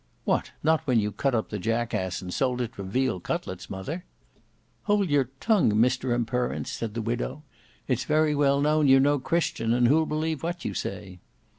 "What, not when you cut up the jackass and sold it for veal cutlets, mother." "Hold your tongue, Mr Imperence," said the widow. "It's very well known you're no Christian, and who'll believe what you say?"